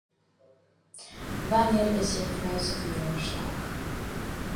Wanneer is jou vrou se verjaarsdag?